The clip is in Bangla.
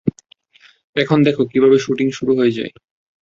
এখন দেখো, কিভাবে শুটিং শুরু হয়ে যায়।